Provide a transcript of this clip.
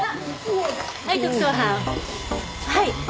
はい。